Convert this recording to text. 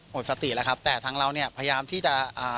หมดสติแล้วครับแต่ทางเราเนี่ยพยายามที่จะอ่า